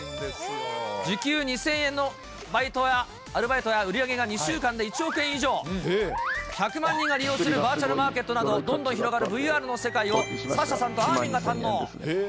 時給２０００円のバイトや、アルバイトや売り上げが２週間で１億円以上、１００万人が利用するバーチャルマーケットなど、どんどん広がるＶＲの世界を、サッシャさんとあーみんが堪能。